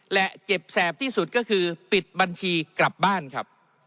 และเจ็บแสบที่สุดก็คือปิดบัญชีกลับบ้านครับ